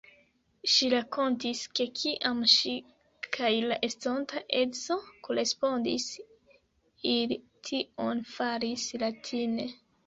Ŝi rakontis, ke kiam ŝi kaj la estonta edzo korespondis, ili tion faris latine.